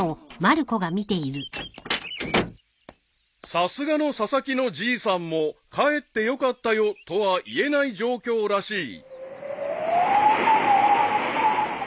［さすがの佐々木のじいさんもかえってよかったよとは言えない状況らしい］